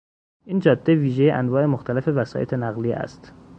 این جاده ویژهی انواع مختلف وسایط نقلیه است.